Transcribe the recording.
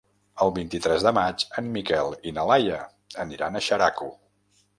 El vint-i-tres de maig en Miquel i na Laia aniran a Xeraco.